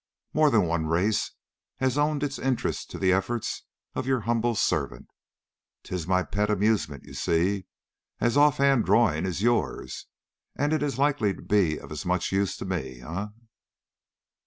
More than one race has owed its interest to the efforts of your humble servant. 'Tis my pet amusement, you see, as off hand drawing is yours, and is likely to be of as much use to me, eh?"